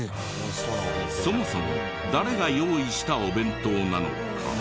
そもそも誰が用意したお弁当なのか？